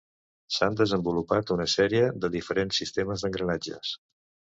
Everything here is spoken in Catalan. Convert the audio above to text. S'han desenvolupat una sèrie de diferents sistemes d'engranatges.